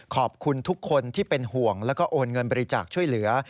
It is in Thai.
ขอบคุณทุกคนที่เป็นห่วงแล้วก็โอนเงินบริจาคช่วยเหลือ